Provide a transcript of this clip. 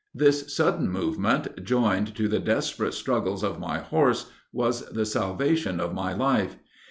This sudden movement joined to the desperate struggles of my horse, was the salvation of my life.